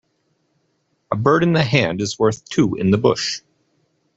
A bird in the hand is worth two in the bush.